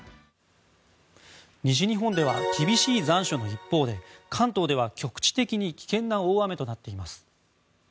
西日本では厳しい残暑の一方で関東では局地的に危険な大雨になっています。